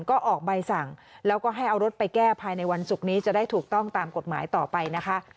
ก็ออกใบสั่งแล้วก็ให้เอารถไปแก้ภายในวันศุกร์นี้จะได้ถูกต้องตามกฎหมายต่อไปนะคะ